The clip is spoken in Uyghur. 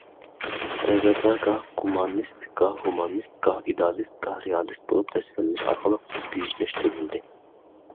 ئەجدادلار گاھ گۇمانىست، گاھ ھۇمانىست، گاھ ئىدېئالىست، گاھ رېئالىست بولۇپ تەسۋىرلىنىش ئارقىلىق بۈيۈكلەشتۈرۈلدى.